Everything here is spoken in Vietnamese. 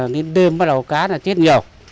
đến đêm bắt đầu cá là tiết nhiều